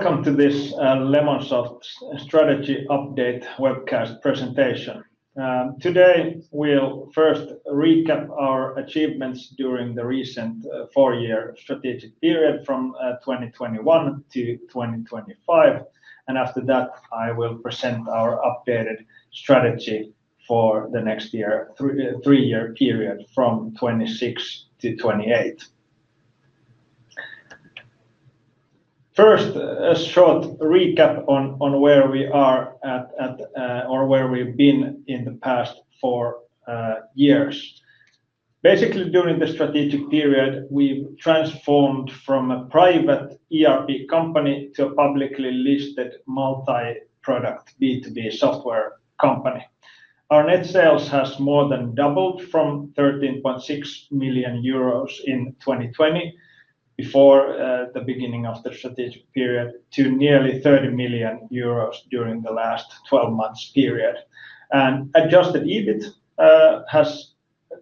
Welcome to this Lemonsoft Strategy Update webcast presentation. Today, we'll first recap our achievements during the recent four-year strategic period from 2021 to 2025. After that, I will present our updated strategy for the next three-year period from 2026 to 2028. First, a short recap on where we are at or where we've been in the past four years. Basically, during the strategic period, we've transformed from a private ERP company to a publicly listed multi-product B2B software company. Our net sales have more than doubled from 13.6 million euros in 2020, before the beginning of the strategic period, to nearly 30 million euros during the last 12-month period. Adjusted EBIT has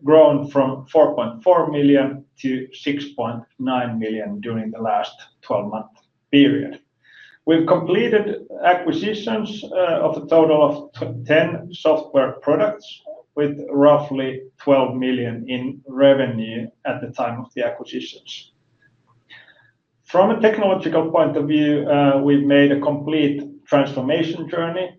grown from 4.4 million to 6.9 million during the last 12-month period. We've completed acquisitions of a total of 10 software products, with roughly 12 million in revenue at the time of the acquisitions. From a technological point of view, we've made a complete transformation journey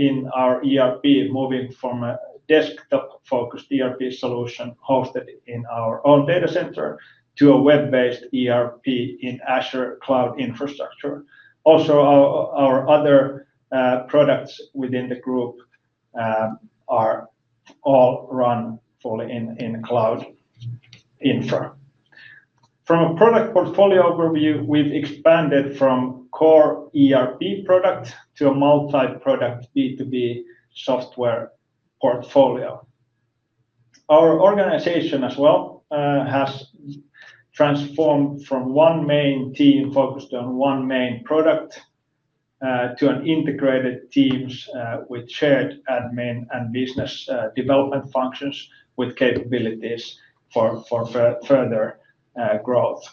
in our ERP, moving from a desktop-focused ERP solution hosted in our own data center to a web-based ERP in Azure Cloud Infrastructure. Also, our other products within the group are all run fully in cloud infra. From a product portfolio overview, we've expanded from core ERP products to a multi-product B2B software portfolio. Our organization, as well, has transformed from one main team focused on one main product to an integrated team with shared admin and business development functions, with capabilities for further growth.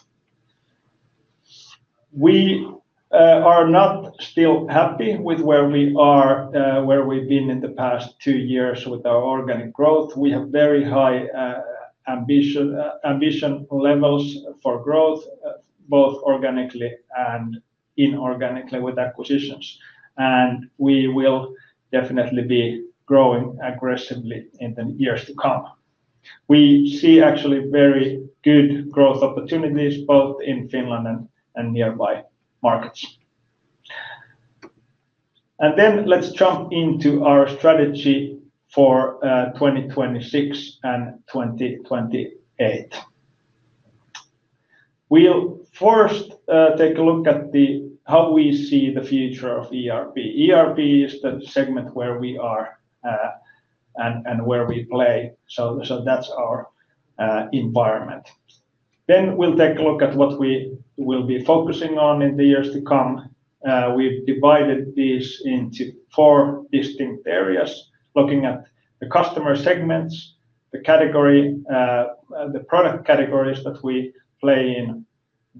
We are not still happy with where we've been in the past two years with our organic growth. We have very high ambition levels for growth, both organically and inorganically, with acquisitions. We will definitely be growing aggressively in the years to come. We see, actually, very good growth opportunities, both in Finland and nearby markets. Let's jump into our strategy for 2026 and 2028. We'll first take a look at how we see the future of ERP. ERP is the segment where we are and where we play. That's our environment. We'll take a look at what we will be focusing on in the years to come. We've divided these into four distinct areas, looking at the customer segments, the product categories that we play in,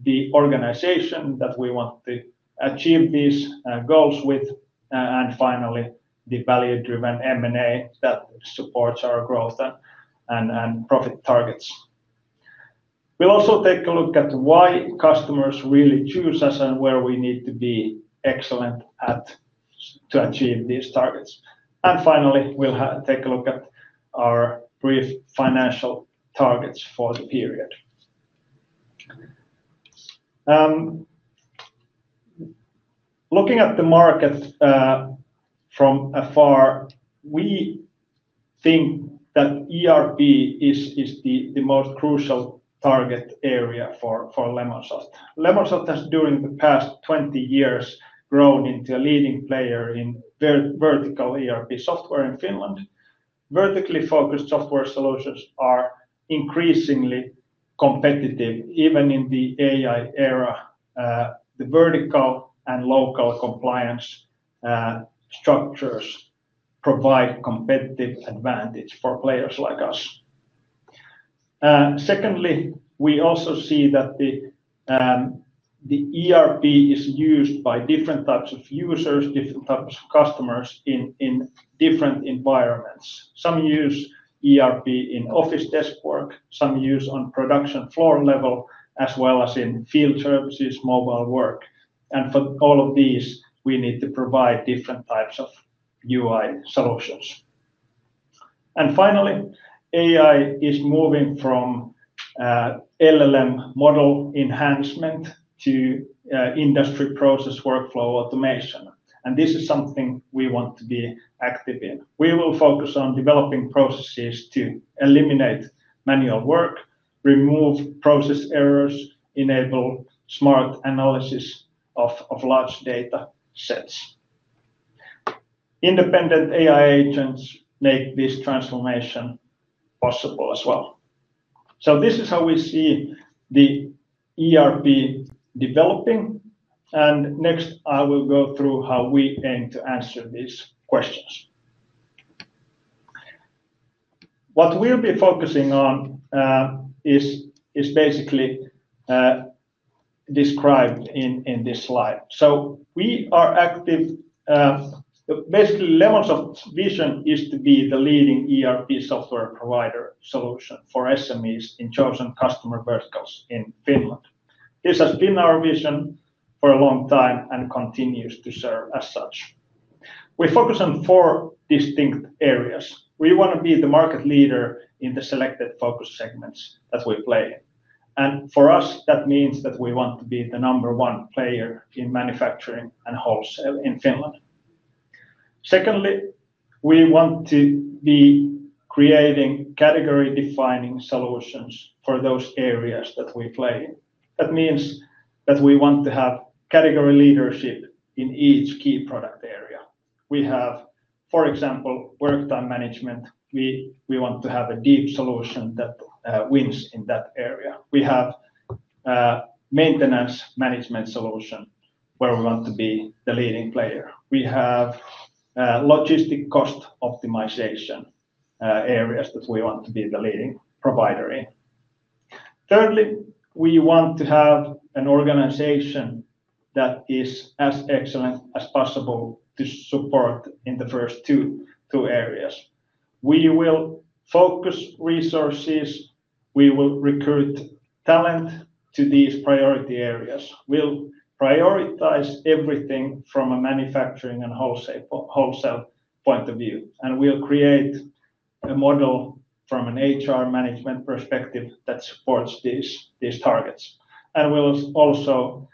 the organization that we want to achieve these goals with, and finally, the value-driven M&A that supports our growth and profit targets. We'll also take a look at why customers really choose us and where we need to be excellent to achieve these targets. Finally, we'll take a look at our brief financial targets for the period. Looking at the market from afar, we think that ERP is the most crucial target area for Lemonsoft. Lemonsoft has, during the past 20 years, grown into a leading player in vertical ERP software in Finland. Vertically focused software solutions are increasingly competitive, even in the AI era. The vertical and local compliance structures provide a competitive advantage for players like us. Secondly, we also see that the ERP is used by different types of users, different types of customers in different environments. Some use ERP in office desk work, some use it on production floor level, as well as in field services, mobile work. For all of these, we need to provide different types of UI solutions. Finally, AI is moving from LLM model enhancement to industry process workflow automation. This is something we want to be active in. We will focus on developing processes to eliminate manual work, remove process errors, and enable smart analysis of large data sets. Independent AI agents make this transformation possible as well. This is how we see the ERP developing. Next, I will go through how we aim to answer these questions. What we'll be focusing on is basically described in this slide. We are active; basically, Lemonsoft's vision is to be the leading ERP software provider solution for SMEs in chosen customer verticals in Finland. This has been our vision for a long time and continues to serve as such. We focus on four distinct areas. We want to be the market leader in the selected focus segments that we play. For us, that means that we want to be the number one player in manufacturing and wholesale in Finland. Secondly, we want to be creating category-defining solutions for those areas that we play. That means that we want to have category leadership in each key product area. We have, for example, work-time management. We want to have a deep solution that wins in that area. We have a maintenance management solution where we want to be the leading player. We have logistic cost optimization areas that we want to be the leading provider in. Thirdly, we want to have an organization that is as excellent as possible to support in the first two areas. We will focus resources. We will recruit talent to these priority areas. We will prioritize everything from a manufacturing and wholesale point of view. We will create a model from an HR management perspective that supports these targets. We will also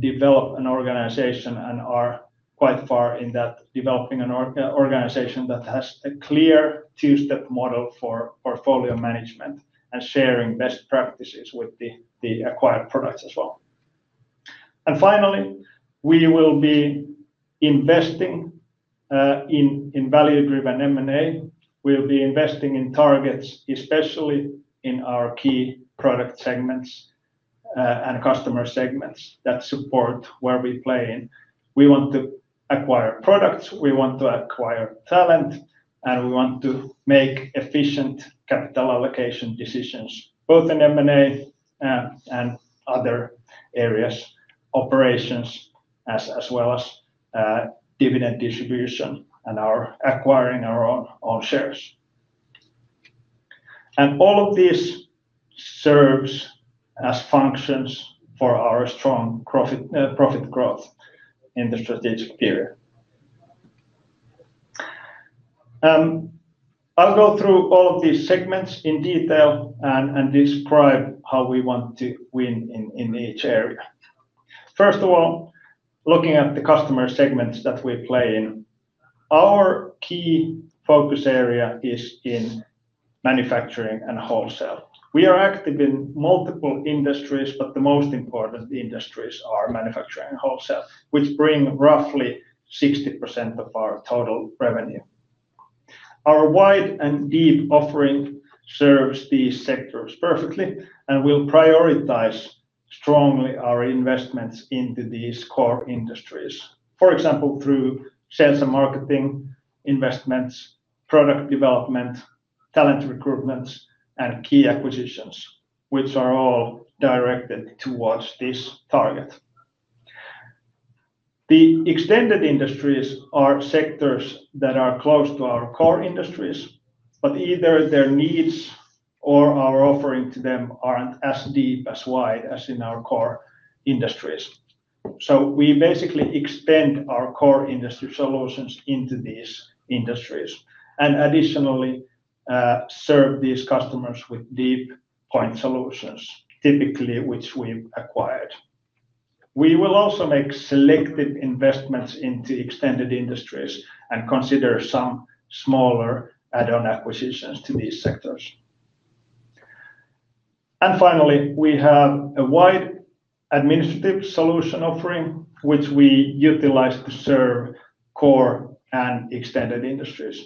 develop an organization, and we are quite far in that, developing an organization that has a clear two-step model for portfolio management and sharing best practices with the acquired products as well. Finally, we will be investing in value-driven M&A. We will be investing in targets, especially in our key product segments and customer segments that support where we play. We want to acquire products. We want to acquire talent. We want to make efficient capital allocation decisions, both in M&A and other areas, operations, as well as dividend distribution and acquiring our own shares. All of these serve as functions for our strong profit growth in the strategic period. I will go through all of these segments in detail and describe how we want to win in each area. First of all, looking at the customer segments that we play in, our key focus area is in manufacturing and wholesale. We are active in multiple industries, but the most important industries are manufacturing and wholesale, which bring roughly 60% of our total revenue. Our wide and deep offering serves these sectors perfectly. We will prioritize strongly our investments into these core industries, for example, through sales and marketing investments, product development, talent recruitments, and key acquisitions, which are all directed towards this target. The extended industries are sectors that are close to our core industries, but either their needs or our offering to them are not as deep, as wide as in our core industries. We basically extend our core industry solutions into these industries and additionally serve these customers with deep point solutions, typically which we have acquired. We will also make selective investments into extended industries and consider some smaller add-on acquisitions to these sectors. Finally, we have a wide administrative solution offering, which we utilize to serve core and extended industries.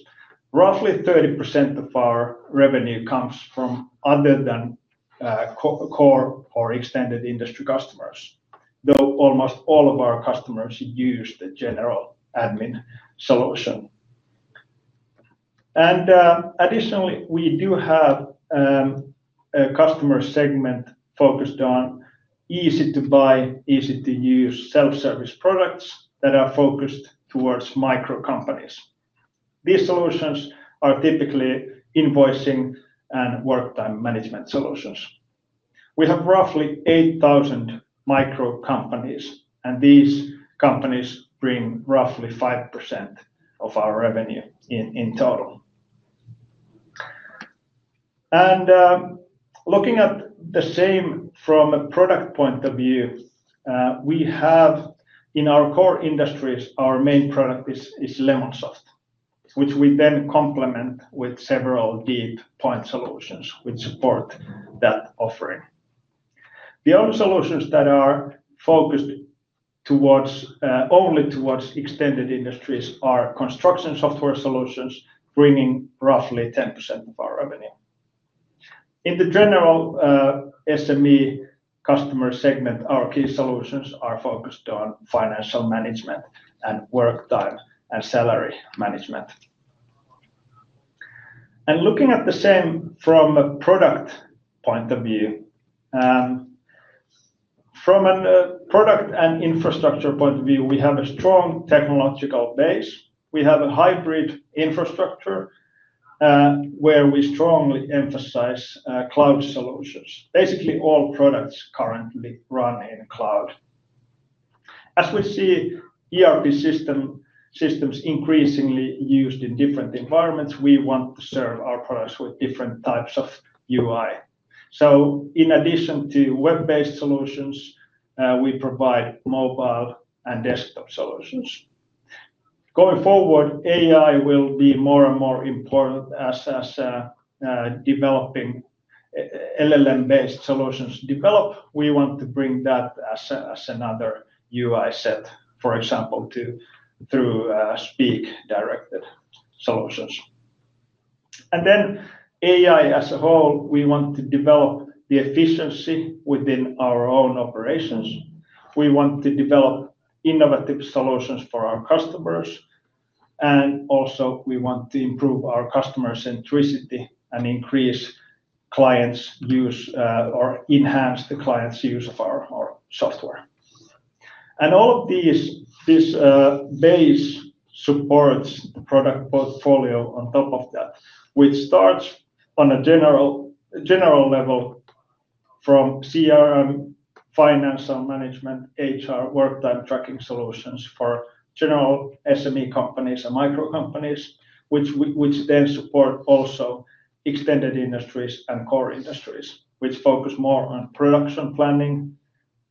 Roughly 30% of our revenue comes from other than core or extended industry customers, though almost all of our customers use the general admin solution. Additionally, we do have a customer segment focused on easy-to-buy, easy-to-use self-service products that are focused towards micro companies. These solutions are typically invoicing and work-time management solutions. We have roughly 8,000 micro companies. These companies bring roughly 5% of our revenue in total. Looking at the same from a product point of view, we have in our core industries, our main product is Lemonsoft, which we then complement with several deep point solutions which support that offering. The other solutions that are focused only towards extended industries are construction software solutions, bringing roughly 10% of our revenue. In the general SME customer segment, our key solutions are focused on financial management and work-time and salary management. Looking at the same from a product point of view, from a product and infrastructure point of view, we have a strong technological base. We have a hybrid infrastructure where we strongly emphasize cloud solutions. Basically, all products currently run in the cloud. As we see ERP systems increasingly used in different environments, we want to serve our products with different types of UI. In addition to web-based solutions, we provide mobile and desktop solutions. Going forward, AI will be more and more important as developing LLM-based solutions develop. We want to bring that as another UI set, for example, through speak-directed solutions. AI as a whole, we want to develop the efficiency within our own operations. We want to develop innovative solutions for our customers. We want to improve our customer centricity and increase clients' use or enhance the clients' use of our software. All of this base supports the product portfolio on top of that, which starts on a general level from CRM, financial management, HR, work-time tracking solutions for general SME companies and micro companies, which then support also extended industries and core industries, which focus more on production planning,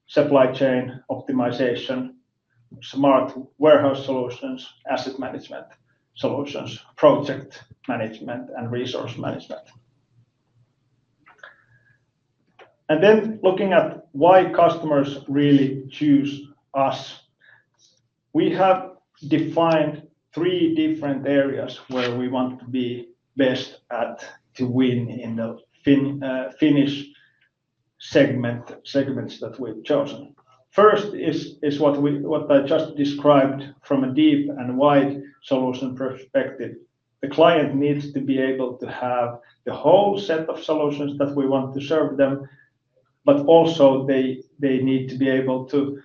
supply chain optimization, smart warehouse solutions, asset management solutions, project management, and resource management. Looking at why customers really choose us, we have defined three different areas where we want to be best at to win in the Finnish segments that we've chosen. First is what I just described from a deep and wide solution perspective. The client needs to be able to have the whole set of solutions that we want to serve them, but also they need to be able to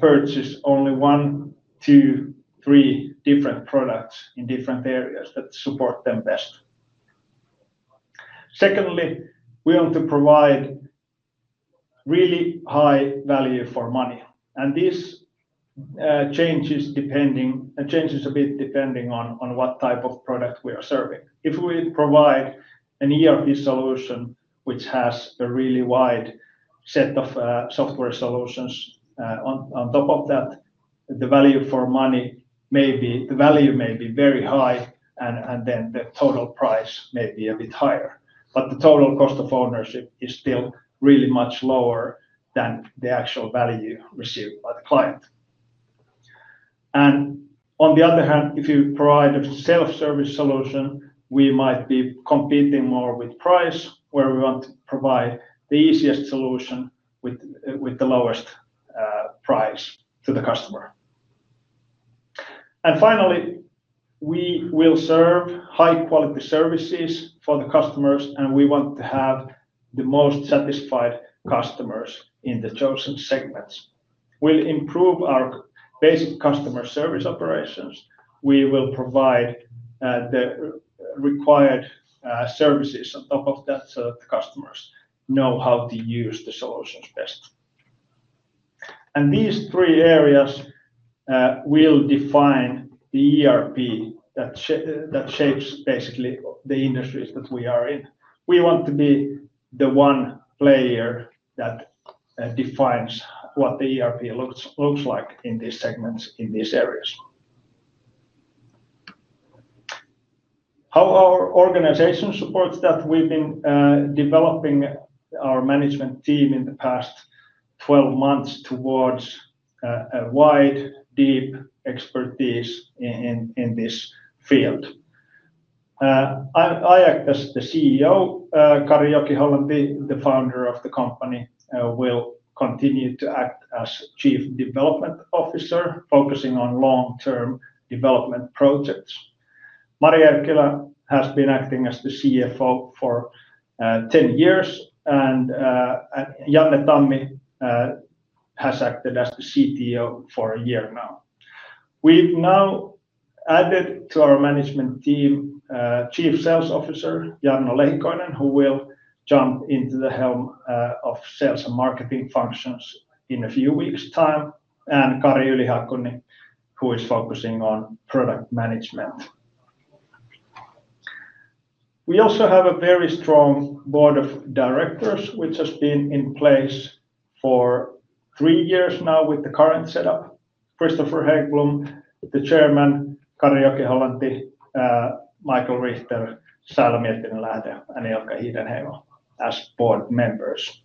purchase only one, two, three different products in different areas that support them best. Secondly, we want to provide really high value for money. This changes a bit depending on what type of product we are serving. If we provide an ERP solution which has a really wide set of software solutions on top of that, the value for money may be the value may be very high, and then the total price may be a bit higher. The total cost of ownership is still really much lower than the actual value received by the client. On the other hand, if you provide a self-service solution, we might be competing more with price, where we want to provide the easiest solution with the lowest price to the customer. Finally, we will serve high-quality services for the customers, and we want to have the most satisfied customers in the chosen segments. We'll improve our basic customer service operations. We will provide the required services on top of that so that customers know how to use the solutions best. These three areas will define the ERP that shapes basically the industries that we are in. We want to be the one player that defines what the ERP looks like in these segments, in these areas. How our organization supports that? We've been developing our management team in the past 12 months towards a wide, deep expertise in this field. I act as the CEO, Kari Joki-Hollanti, the founder of the company, will continue to act as Chief Development Officer, focusing on long-term development projects. Mari Erkkilä has been acting as the CFO for 10 years, and Janne Tammi has acted as the CTO for a year now. We've now added to our management team Chief Sales Officer, Jarno Lehikoinen, who will jump into the helm of sales and marketing functions in a few weeks' time, and Kari Yli-Hakuni, who is focusing on product management. We also have a very strong board of directors, which has been in place for three years now with the current setup: Christoffer Häggblom, the chairman; Kari Joki-Hollanti; Michael Richter; Saila Miettinen-Lähde; and Ilkka Hiidenheimo as board members.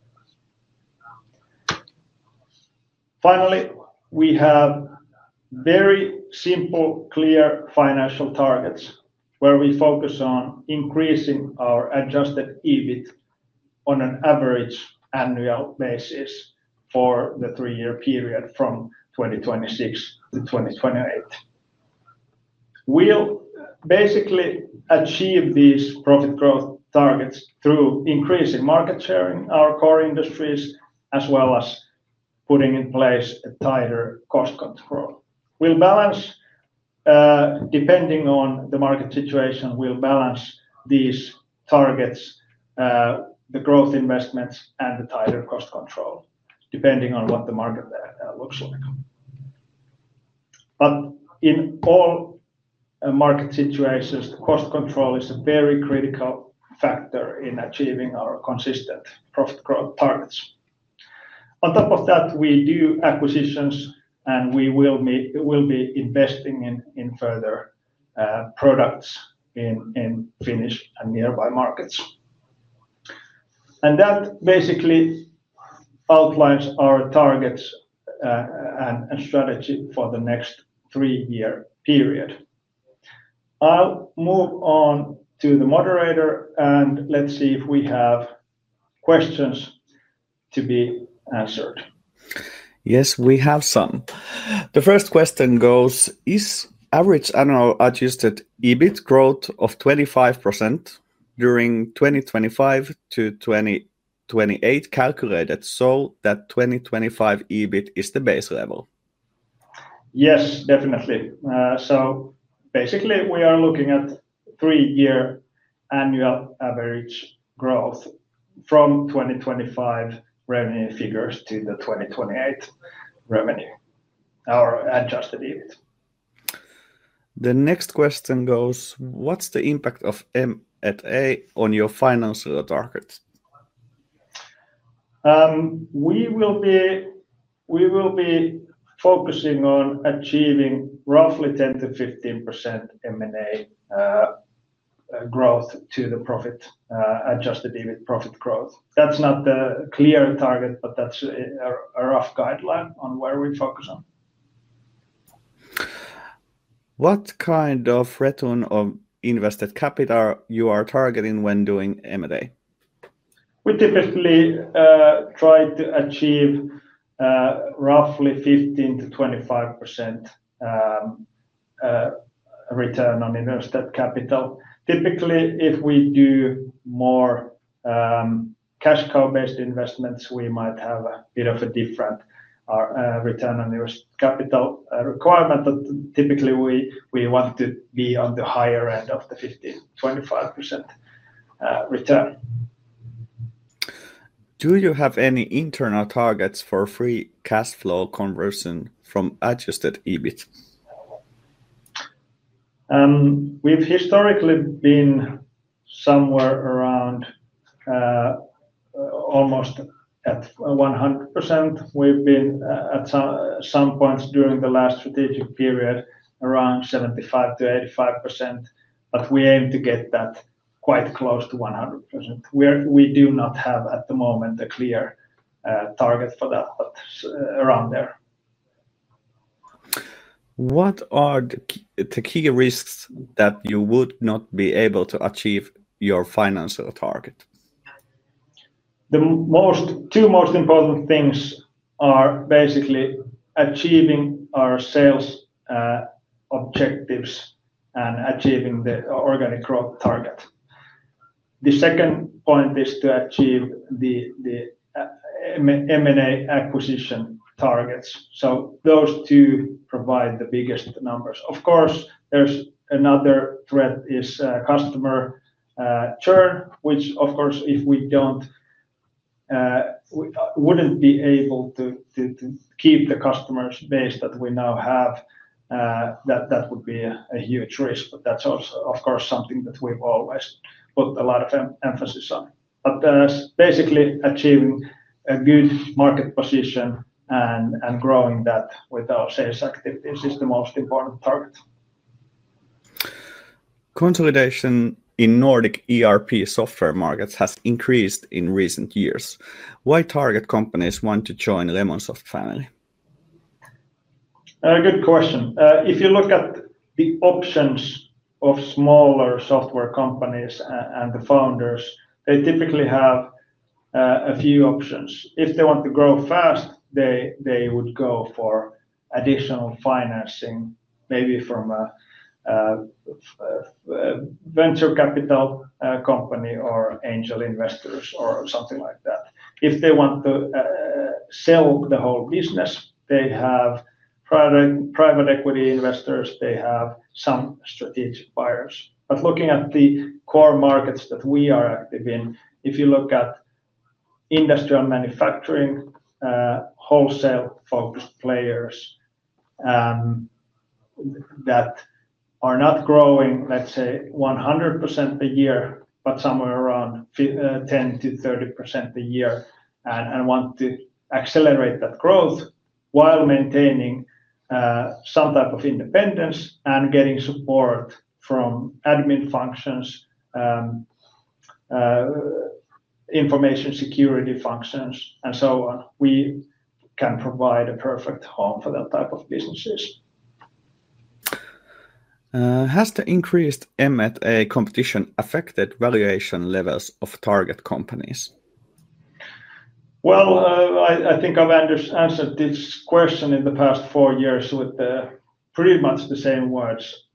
Finally, we have very simple, clear financial targets where we focus on increasing our adjusted EBIT on an average annual basis for the three-year period from 2026 to 2028. We will basically achieve these profit growth targets through increasing market share in our core industries, as well as putting in place a tighter cost control. Depending on the market situation, we will balance these targets, the growth investments, and the tighter cost control, depending on what the market looks like. In all market situations, cost control is a very critical factor in achieving our consistent profit growth targets. On top of that, we do acquisitions, and we will be investing in further products in Finnish and nearby markets. That basically outlines our targets and strategy for the next three-year period. I will move on to the moderator, and let's see if we have questions to be answered. Yes, we have some. The first question goes: Is average adjusted EBIT growth of 25% during 2025 to 2028 calculated so that 2025 EBIT is the base level? Yes, definitely. Basically, we are looking at three-year annual average growth from 2025 revenue figures to the 2028 revenue, our adjusted EBIT. The next question goes: What's the impact of M&A on your financial targets? We will be focusing on achieving roughly 10%-15% M&A growth to the adjusted EBIT profit growth. That's not the clear target, but that's a rough guideline on where we focus on. What kind of return on invested capital you are targeting when doing M&A? We typically try to achieve roughly 15%-25% return on invested capital. Typically, if we do more cash cow-based investments, we might have a bit of a different return on invested capital requirement. Typically, we want to be on the higher end of the 15%-25% return. Do you have any internal targets for free cash flow conversion from adjusted EBIT? We've historically been somewhere around almost at 100%. We've been at some points during the last strategic period around 75%-85%, but we aim to get that quite close to 100%. We do not have at the moment a clear target for that, but around there. What are the key risks that you would not be able to achieve your financial target? The two most important things are basically achieving our sales objectives and achieving the organic growth target. The second point is to achieve the M&A acquisition targets. Those two provide the biggest numbers. Of course, there's another threat: customer churn, which, of course, if we wouldn't be able to keep the customer base that we now have, that would be a huge risk. That's also, of course, something that we've always put a lot of emphasis on. Basically, achieving a good market position and growing that with our sales activities is the most important target. Consolidation in Nordic ERP software markets has increased in recent years. Why do target companies want to join the Lemonsoft family? Good question. If you look at the options of smaller software companies and the founders, they typically have a few options. If they want to grow fast, they would go for additional financing, maybe from a venture capital company or angel investors or something like that. If they want to sell the whole business, they have private equity investors, they have some strategic buyers. Looking at the core markets that we are active in, if you look at industrial manufacturing, wholesale-focused players that are not growing, let's say, 100% a year, but somewhere around 10%-30% a year, and want to accelerate that growth while maintaining some type of independence and getting support from admin functions, information security functions, and so on, we can provide a perfect home for that type of businesses. Has the increased M&A competition affected valuation levels of target companies? I think I've answered this question in the past four years with pretty much the same words.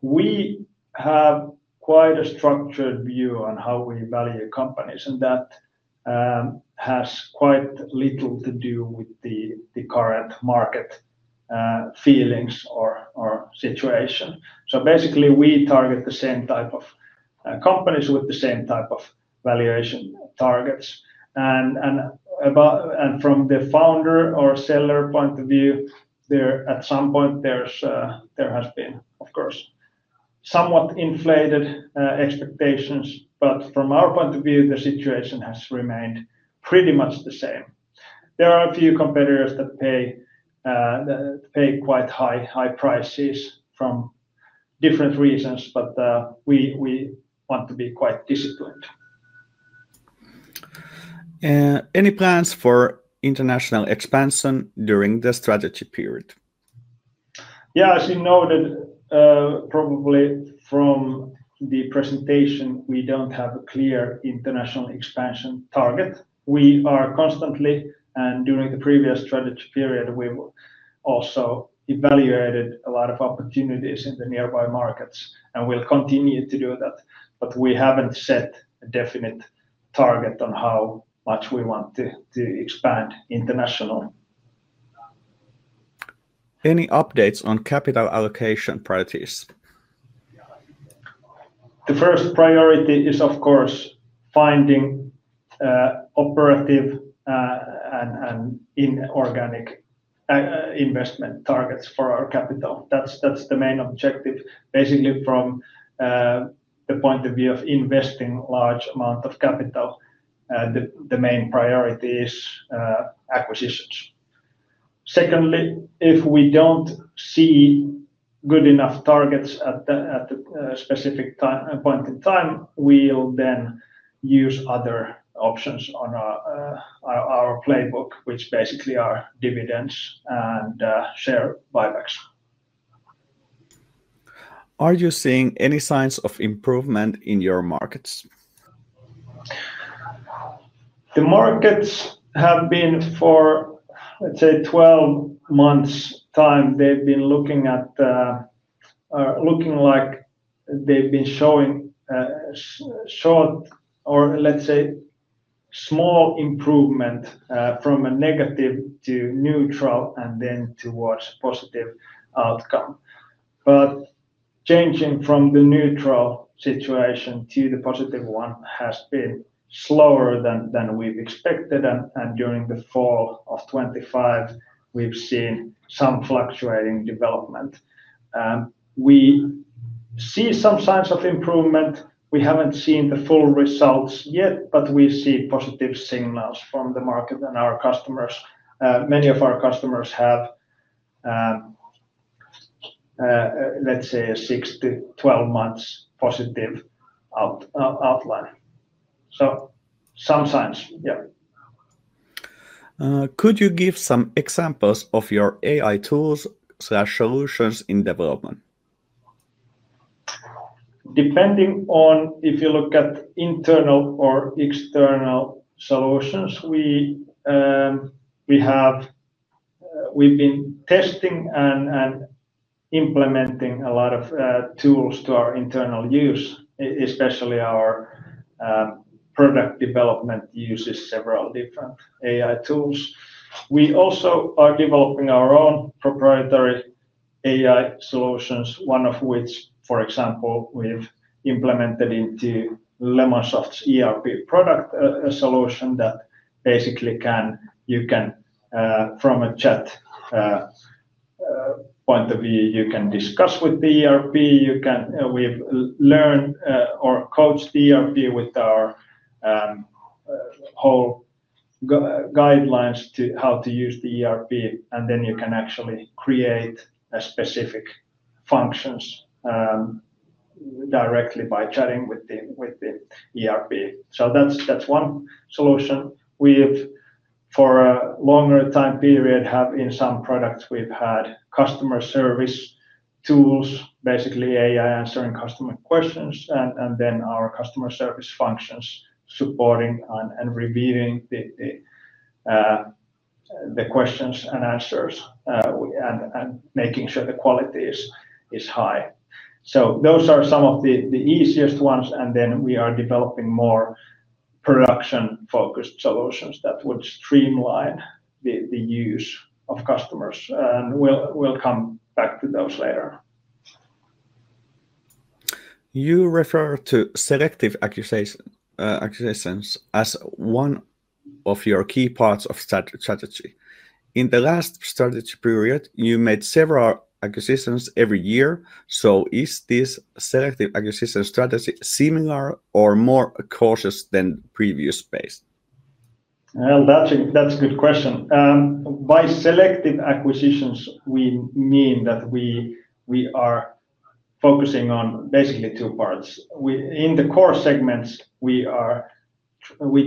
We have quite a structured view on how we value companies, and that has quite little to do with the current market feelings or situation. Basically, we target the same type of companies with the same type of valuation targets. From the founder or seller point of view, at some point, there has been, of course, somewhat inflated expectations. From our point of view, the situation has remained pretty much the same. There are a few competitors that pay quite high prices for different reasons, but we want to be quite disciplined. Any plans for international expansion during the strategy period? Yeah, as you noted, probably from the presentation, we do not have a clear international expansion target. We are constantly, and during the previous strategy period, we also evaluated a lot of opportunities in the nearby markets, and we will continue to do that. We have not set a definite target on how much we want to expand internationally. Any updates on capital allocation priorities? The first priority is, of course, finding operative and inorganic investment targets for our capital. That is the main objective. Basically, from the point of view of investing large amounts of capital, the main priority is acquisitions. Secondly, if we do not see good enough targets at a specific point in time, we will then use other options on our playbook, which basically are dividends and share buybacks. Are you seeing any signs of improvement in your markets? The markets have been for, let's say, 12 months' time, they have been looking like they have been showing short or, let's say, small improvement from a negative to neutral and then towards a positive outcome. Changing from the neutral situation to the positive one has been slower than we have expected. During the fall of 2025, we have seen some fluctuating development. We see some signs of improvement. We have not seen the full results yet, but we see positive signals from the market and our customers. Many of our customers have, let's say, a 6-12 months positive outline. Some signs, yeah. Could you give some examples of your AI tools/solutions in development? Depending on if you look at internal or external solutions, we've been testing and implementing a lot of tools to our internal use, especially our product development uses several different AI tools. We also are developing our own proprietary AI solutions, one of which, for example, we've implemented into Lemonsoft's ERP product solution that basically you can, from a chat point of view, you can discuss with the ERP. We've learned or coached the ERP with our whole guidelines to how to use the ERP, and then you can actually create specific functions directly by chatting with the ERP. That's one solution. For a longer time period, in some products, we've had customer service tools, basically AI answering customer questions, and then our customer service functions supporting and reviewing the questions and answers and making sure the quality is high. Those are some of the easiest ones. We are developing more production-focused solutions that would streamline the use of customers. We will come back to those later. You refer to selective acquisitions as one of your key parts of strategy. In the last strategy period, you made several acquisitions every year. Is this selective acquisition strategy similar or more cautious than the previous phase? That's a good question. By selective acquisitions, we mean that we are focusing on basically two parts. In the core segments, we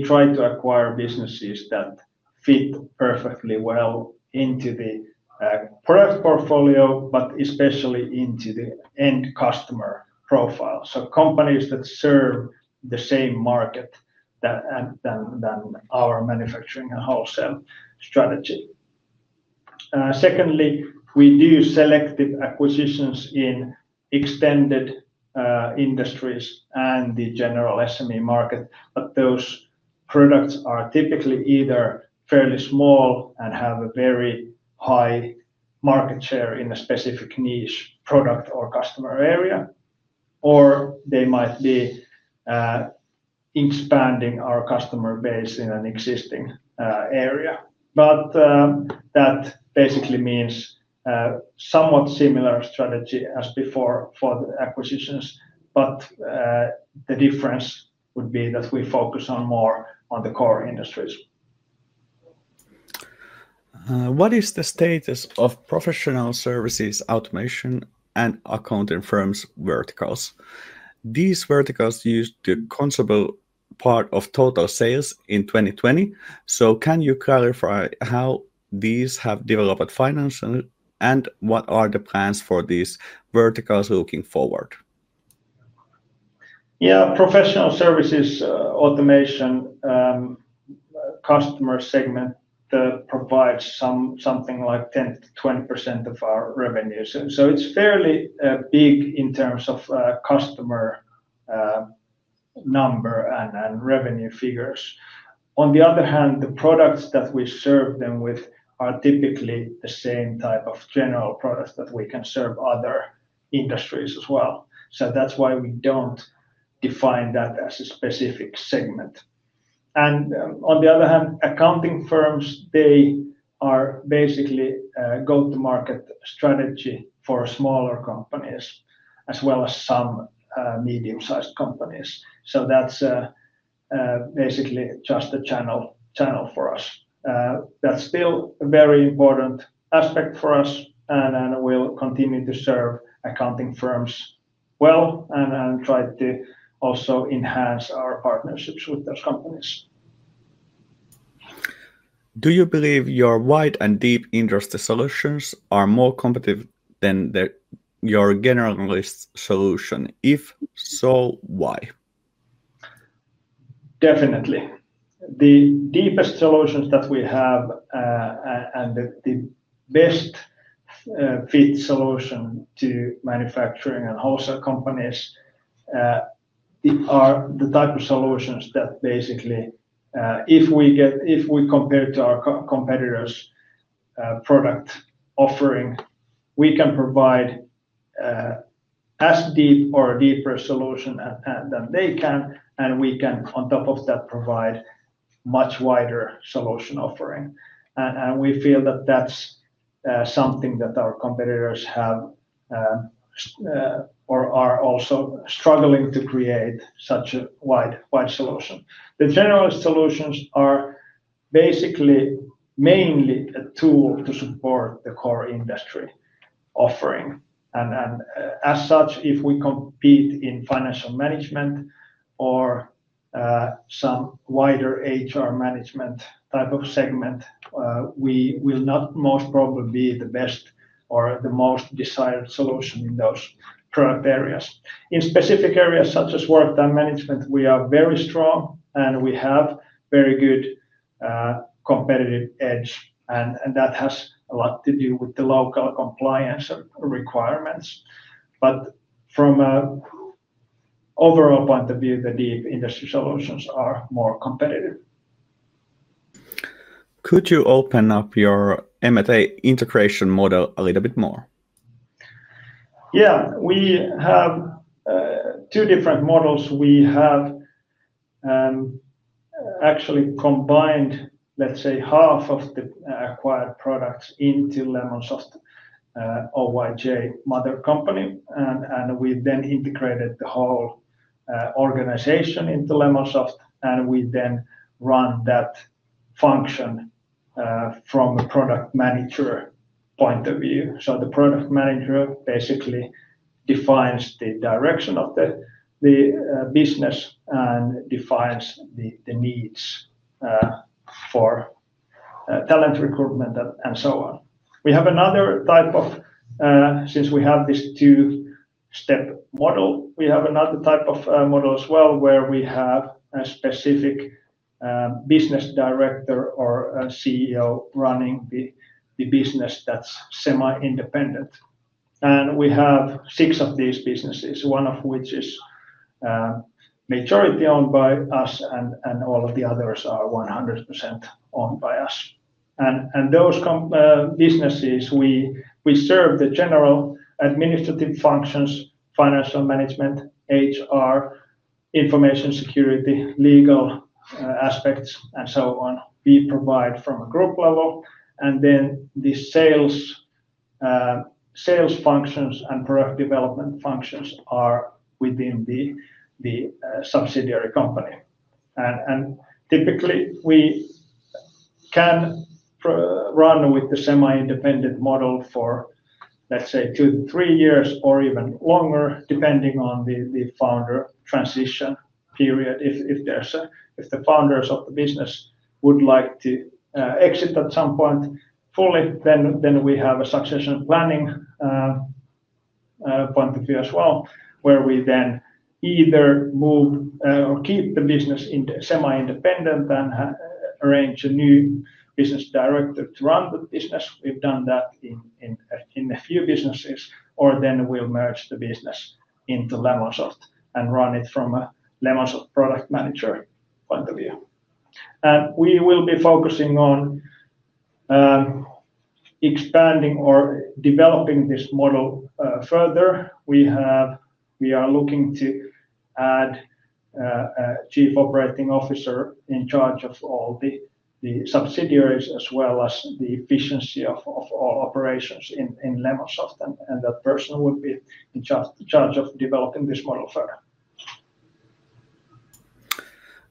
try to acquire businesses that fit perfectly well into the product portfolio, but especially into the end customer profile. Companies that serve the same market than our manufacturing and wholesale strategy. Secondly, we do selective acquisitions in extended industries and the general SME market. Those products are typically either fairly small and have a very high market share in a specific niche product or customer area, or they might be expanding our customer base in an existing area. That basically means somewhat similar strategy as before for the acquisitions. The difference would be that we focus more on the core industries. What is the status of professional services automation and accounting firms' verticals? These verticals used to consume part of total sales in 2020. Can you clarify how these have developed financially, and what are the plans for these verticals looking forward? Yeah, professional services automation customer segment provides something like 10%-20% of our revenue. It's fairly big in terms of customer number and revenue figures. On the other hand, the products that we serve them with are typically the same type of general products that we can serve other industries as well. That's why we don't define that as a specific segment. On the other hand, accounting firms are basically a go-to-market strategy for smaller companies as well as some medium-sized companies. That's basically just a channel for us. That's still a very important aspect for us, and we'll continue to serve accounting firms well and try to also enhance our partnerships with those companies. Do you believe your wide and deep industry solutions are more competitive than your generalist solution? If so, why? Definitely. The deepest solutions that we have and the best-fit solution to manufacturing and wholesale companies are the type of solutions that basically, if we compare to our competitors' product offering, we can provide as deep or deeper solution than they can, and we can, on top of that, provide a much wider solution offering. We feel that that's something that our competitors have or are also struggling to create such a wide solution. The generalist solutions are basically mainly a tool to support the core industry offering. As such, if we compete in financial management or some wider HR management type of segment, we will not most probably be the best or the most desired solution in those product areas. In specific areas such as work time management, we are very strong, and we have a very good competitive edge. That has a lot to do with the local compliance requirements. From an overall point of view, the deep industry solutions are more competitive. Could you open up your M&A integration model a little bit more? Yeah, we have two different models. We have actually combined, let's say, half of the acquired products into Lemonsoft Oyj mother company. We then integrated the whole organization into Lemonsoft. We then run that function from a product manager point of view. The product manager basically defines the direction of the business and defines the needs for talent recruitment and so on. We have another type of, since we have this two-step model, we have another type of model as well where we have a specific business director or CEO running the business that's semi-independent. We have six of these businesses, one of which is majority owned by us, and all of the others are 100% owned by us. Those businesses, we serve the general administrative functions, financial management, HR, information security, legal aspects, and so on. We provide from a group level. The sales functions and product development functions are within the subsidiary company. Typically, we can run with the semi-independent model for, let's say, two to three years or even longer, depending on the founder transition period. If the founders of the business would like to exit at some point fully, we have a succession planning point of view as well, where we then either move or keep the business semi-independent and arrange a new business director to run the business. We've done that in a few businesses. We will merge the business into Lemonsoft and run it from a Lemonsoft product manager point of view. We will be focusing on expanding or developing this model further. We are looking to add a Chief Operating Officer in charge of all the subsidiaries as well as the efficiency of all operations in Lemonsoft. That person would be in charge of developing this model further.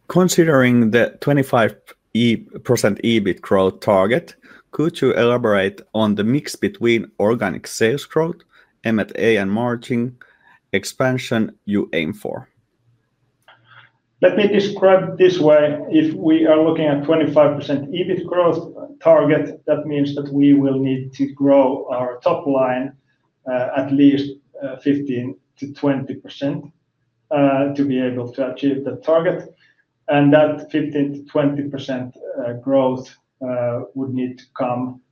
Considering the 25% EBIT growth target, could you elaborate on the mix between organic sales growth, M&A, and margin expansion you aim for? Let me describe it this way. If we are looking at a 25% EBIT growth target, that means that we will need to grow our top line at least 15%-20% to be able to achieve that target. That 15%-20% growth would need to come,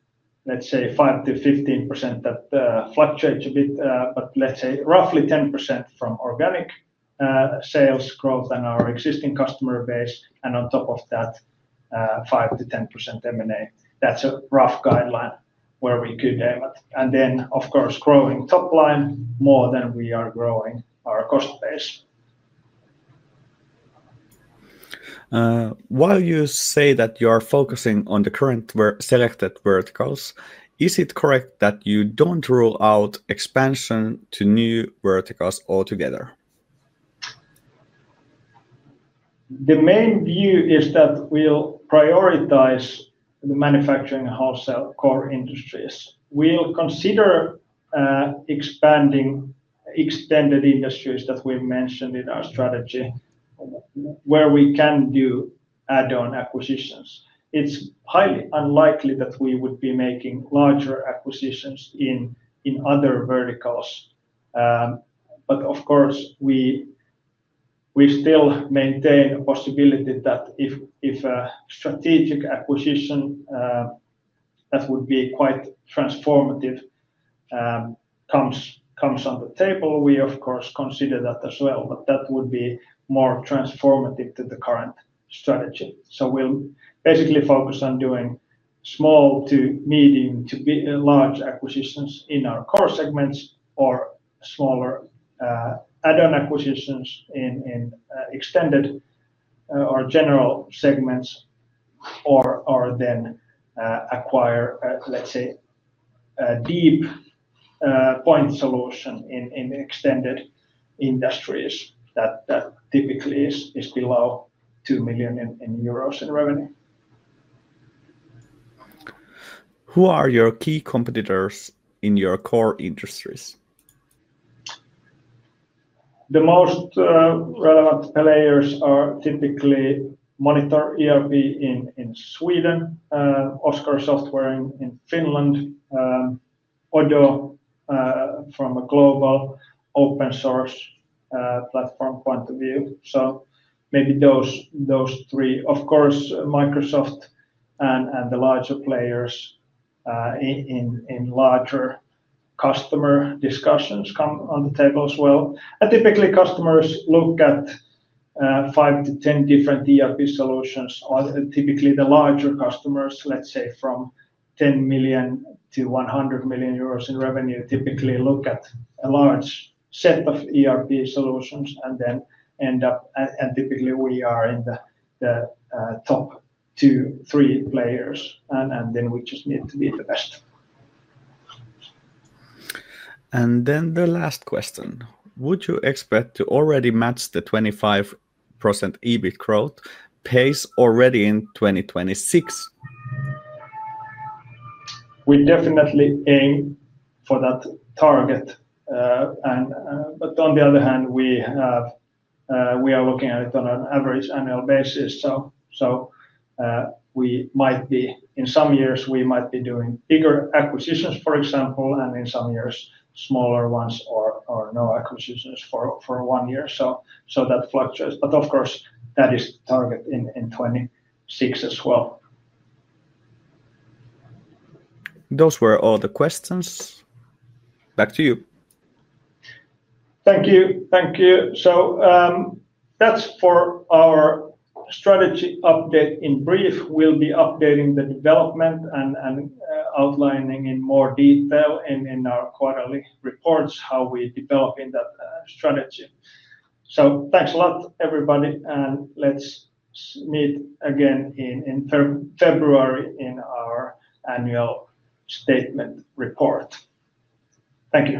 let's say, 5%-15% that fluctuates a bit, but let's say roughly 10% from organic sales growth and our existing customer base. On top of that, 5%-10% M&A. That is a rough guideline where we could aim at. Of course, growing top line more than we are growing our cost base. While you say that you are focusing on the current selected verticals, is it correct that you do not rule out expansion to new verticals altogether? The main view is that we will prioritize the manufacturing and wholesale core industries. We will consider expanding extended industries that we mentioned in our strategy where we can do add-on acquisitions. It is highly unlikely that we would be making larger acquisitions in other verticals. Of course, we still maintain a possibility that if a strategic acquisition that would be quite transformative comes on the table, we, of course, consider that as well. That would be more transformative to the current strategy. We will basically focus on doing small to medium to large acquisitions in our core segments or smaller add-on acquisitions in extended or general segments or then acquire, let's say, a deep point solution in extended industries that typically is below 2 million euros in revenue. Who are your key competitors in your core industries? The most relevant players are typically Monitor ERP in Sweden, Oscar Software in Finland, Odoo from a global open-source platform point of view. Maybe those three. Of course, Microsoft and the larger players in larger customer discussions come on the table as well. Typically, customers look at 5-10 different ERP solutions. Typically, the larger customers, let's say from 10 million-100 million euros in revenue, typically look at a large set of ERP solutions and then end up. Typically, we are in the top two, three players. We just need to be the best. The last question. Would you expect to already match the 25% EBIT growth pace already in 2026? We definitely aim for that target. On the other hand, we are looking at it on an average annual basis. We might be, in some years, doing bigger acquisitions, for example, and in some years, smaller ones or no acquisitions for one year. That fluctuates. Of course, that is the target in 2026 as well. Those were all the questions. Back to you. Thank you. Thank you. That is for our strategy update in brief. will be updating the development and outlining in more detail in our quarterly reports how we develop that strategy. Thanks a lot, everybody. Let's meet again in February in our annual statement report. Thank you.